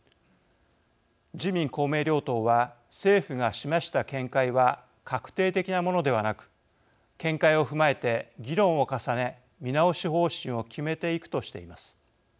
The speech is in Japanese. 自民・公明両党は政府が示した見解は確定的なものではなく見解を踏まえて議論を重ね、見直し方針を決めていくとしています。